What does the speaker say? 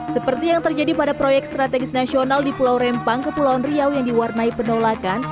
seperti yang terjadi pada proyek strategis nasional di pulau rempang kepulauan riau yang diwarnai penolakan